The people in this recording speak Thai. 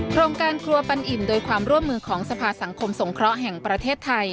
โครงการครัวปันอิ่มโดยความร่วมมือของสภาสังคมสงเคราะห์แห่งประเทศไทย